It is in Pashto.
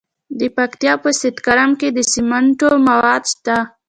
د پکتیا په سید کرم کې د سمنټو مواد شته.